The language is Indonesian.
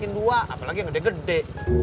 ini los cepat lah pang belle